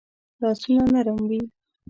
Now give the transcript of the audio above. لاسونه نرم وي